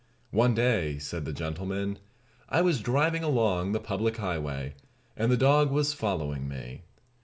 "One day," said that gentleman, "I was driving along the public highway, and the dog was following me.